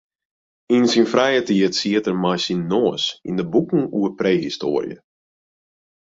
Yn syn frije tiid siet er mei syn noas yn de boeken oer prehistoarje.